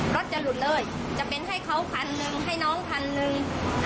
รถจะหลุดเลยจะเป็นให้เขาคันหนึ่งให้น้องคันหนึ่ง